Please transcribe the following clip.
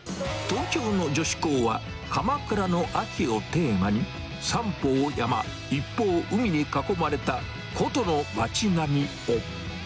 東京の女子高は、鎌倉の秋をテーマに、三方を山、一方を海に囲まれた古都の町並みを。